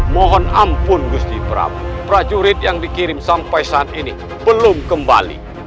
mohon ampun gusti prap prajurit yang dikirim sampai saat ini belum kembali